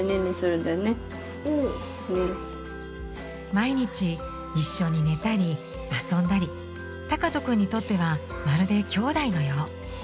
毎日一緒に寝たり遊んだり敬斗くんにとってはまるできょうだいのよう。